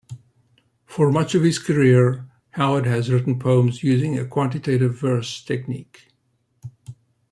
For much of his career, Howard has written poems using a quantitative verse technique.